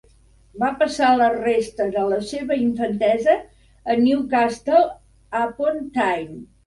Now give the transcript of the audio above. Va passar la resta de la seva infantesa a Newcastle upon Tyne.